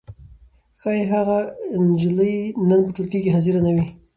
ښايي هغه نجلۍ نن په ټولګي کې حاضره نه وي.